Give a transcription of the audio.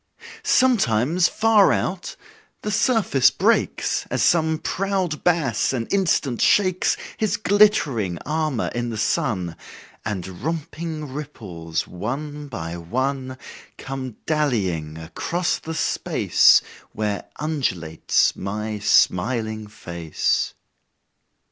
Sometimes, far out, the surface breaks, As some proud bass an instant shakes His glittering armor in the sun, And romping ripples, one by one, Come dallyiong across the space Where undulates my smiling face.